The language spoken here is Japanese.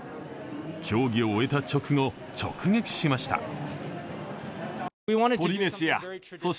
競技を終えた直後、直撃しました。